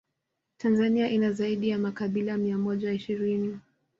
Tanzania ina zaidi ya makabila mia moja ishirini